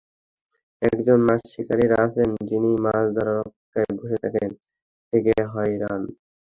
একজন মাছ শিকারি আছেন, যিনি মাছ ধরার অপেক্ষায় বসে থেকে থেকে হয়রান।